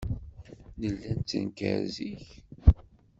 Nella nettenkar zik.